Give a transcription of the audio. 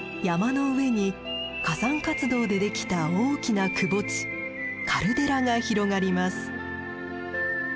山の上に火山活動でできた大きなくぼ地カルデラが広がります。